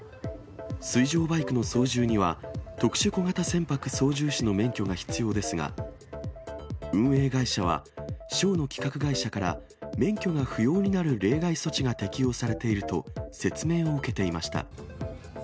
水上バイクの操縦には、特殊小型船舶操縦士の免許が必要ですが、運営会社はショーの企画会社から、免許が不要になる例外措置が適用されていると説明を受けていました。